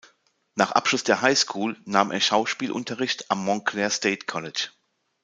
Nach Abschluss der High School nahm er Schauspielunterricht am Montclair State College.